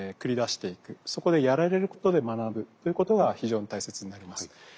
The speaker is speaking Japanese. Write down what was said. そこでやられることで学ぶということが非常に大切になります。